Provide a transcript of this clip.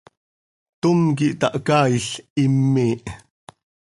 Tom quih tahcaail, him miih.